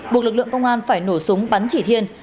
buộc lực lượng công an phải nổ súng bắn chỉ thiên